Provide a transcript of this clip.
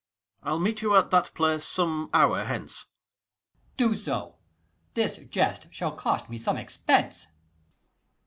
Ang. I'll meet you at that place some hour hence. Ant. E. Do so. This jest shall cost me some expense.